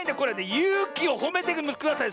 ゆうきをほめてください。